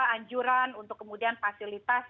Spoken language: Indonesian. anjuran untuk kemudian fasilitas